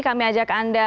kami ajak anda